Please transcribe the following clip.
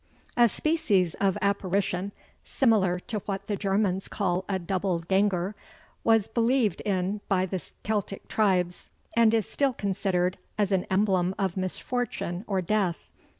A species of apparition, similar to what the Germans call a Double Ganger, was believed in by the Celtic tribes, and is still considered as an emblem of misfortune or death.